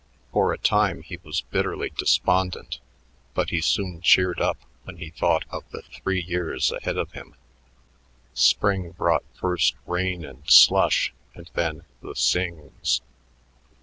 For a time he was bitterly despondent, but he soon cheered up when he thought of the three years ahead of him. Spring brought first rain and slush and then the "sings."